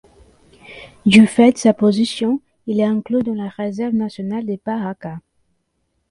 Du fait de sa position, il est inclus dans la réserve nationale de Paracas.